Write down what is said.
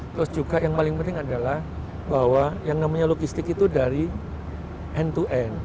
terus juga yang paling penting adalah bahwa yang namanya logistik itu dari end to end